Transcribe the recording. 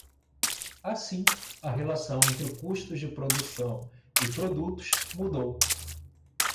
Assim, a relação entre custos de produção e produtos mudou.